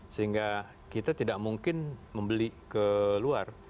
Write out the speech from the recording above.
sehingga kita tidak mungkin membeli ke luar